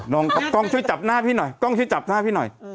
น้องครับกล้องช่วยจับหน้าพี่หน่อย